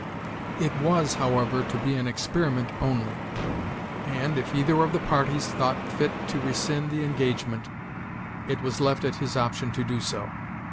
It was, however, to be an experiment only; and, if either of the parties thought fit to rescind the engagement, it was left at his option so to do.